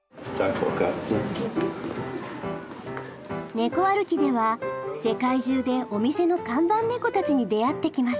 「ネコ歩き」では世界中でお店の看板猫たちに出会ってきました。